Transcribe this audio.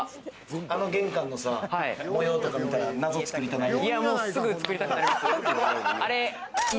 玄関の模様とか見たら謎、作りたくなるやろ？